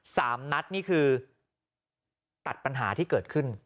สามนัดนี่คือตัดปัญหาที่เกิดขึ้น